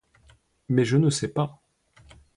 Mais je ne sais pas.